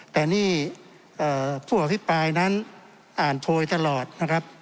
แต่นี่ผู้อภิปรายนั้นอ่านโชยตลอดนะครับ